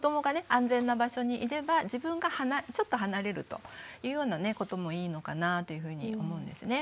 安全な場所にいれば自分がちょっと離れるというようなこともいいのかなというふうに思うんですね。